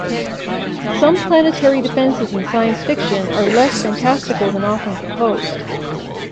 Some planetary defenses in science fiction are less fantastical than often proposed.